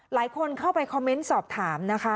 หลายคนเข้าไปคอมเมนต์สอบถามนะคะ